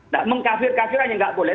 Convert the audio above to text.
nah mengkafir kafir hanya nggak boleh